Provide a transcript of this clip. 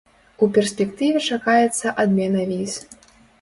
У перспектыве чакаецца адмена віз.